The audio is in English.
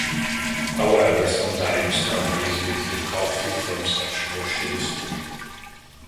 However, sometimes companies make the coffee from such machines free.